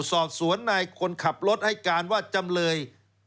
สอบสวนนายคนขับรถให้การว่าจำเลย